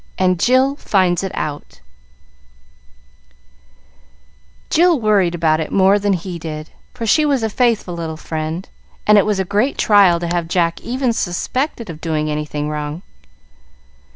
And Jill Finds It Out Jill worried about it more than he did, for she was a faithful little friend, and it was a great trial to have Jack even suspected of doing anything wrong.